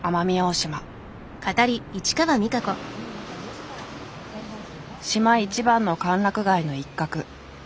島一番の歓楽街の一角。